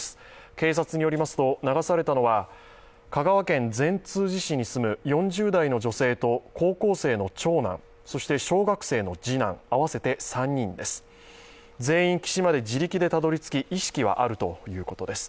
警察によりますと、流されたのは香川県善通寺市に住む４０代の女性と高校生の長男、そして小学生の次男、あわせて３人です全員、岸まで自力でたどり着き意識はあるということです。